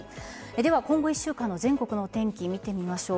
では、今後１週間の全国のお天気、見てみましょう。